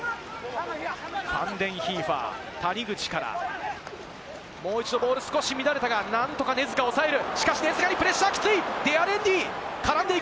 ファンデンヒーファー、谷口からもう一度ボール、少し乱れたが、なんとか根塚をおさえる！